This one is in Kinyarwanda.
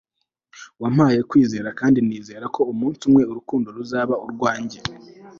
wampaye kwizera kandi nizera ko umunsi umwe urukundo ruzaba urwanjye